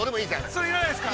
◆それは要らないですか。